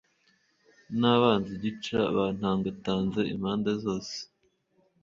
n'abanzi gica bantangatanze impande zose